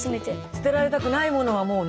捨てられたくないものはもうね。